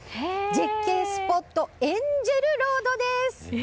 絶景スポットエンジェルロードです。